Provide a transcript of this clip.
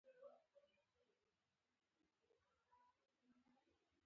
دا نه یوازې د څو تنو ځانوژنه ده